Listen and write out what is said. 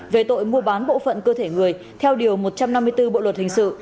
về tội mua bán bộ phận cơ thể người theo điều một trăm năm mươi bốn bộ luật hình sự